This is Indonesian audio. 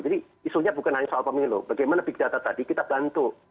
jadi isunya bukan hanya soal pemilu bagaimana big data tadi kita bantu